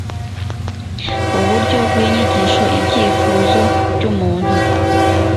uburyo bw inyigisho ibyifuzo by umuntu